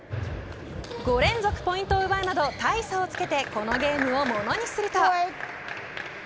５連続ポイントを奪うなど大差をつけてこのゲームをものにすると。